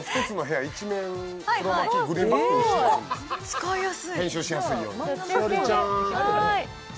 使いやすい！